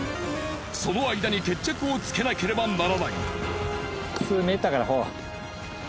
その間に決着をつけなければならない。